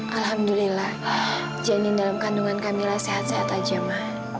alhamdulillah janin dalam kandungan camillah sehat sehat aja ma